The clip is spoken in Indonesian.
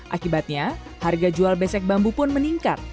akibatnya harga jual besek bambu pun meningkat